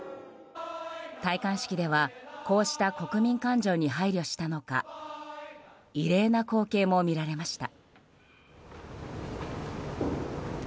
戴冠式ではこうした国民感情に配慮したのか異例な光景も見られました。